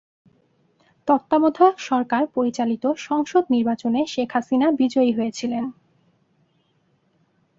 তত্ত্বাবধায়ক সরকার পরিচালিত সংসদ নির্বাচনে শেখ হাসিনা বিজয়ী হয়েছিলেন।